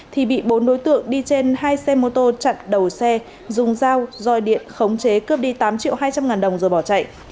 thì bị bốn đối tượng đi trên hai xe mô tô chặn đầu xe dùng dao doi điện khống chế cướp đi tám triệu hai trăm linh ngàn đồng rồi bỏ chạy